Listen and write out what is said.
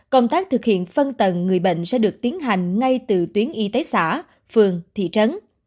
công tác thực hiện phân tầng người bệnh sẽ được tiến hành ngay từ tuyến y tế xã phường thị trấn